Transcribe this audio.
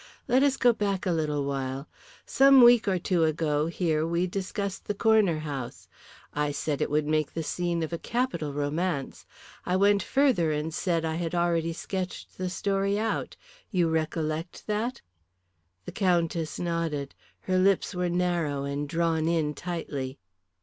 Let us go back a little while. Some week or two ago here we discussed the Corner House. I said it would make the scene of a capital romance. I went further and said I had already sketched the story out. You recollect that?" The Countess nodded. Her lips were narrow and drawn in tightly.